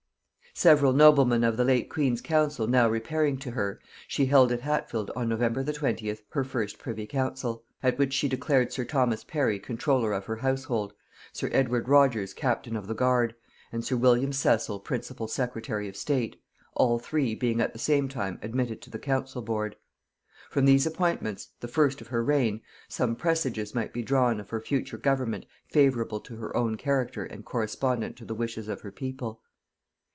"] Several noblemen of the late queen's council now repairing to her, she held at Hatfield on November the 20th her first privy council; at which she declared sir Thomas Parry comptroller of her household, sir Edward Rogers captain of the guard, and sir William Cecil principal secretary of state, all three being at the same time admitted to the council board. From these appointments, the first of her reign, some presages might be drawn of her future government favorable to her own character and correspondent to the wishes of her people.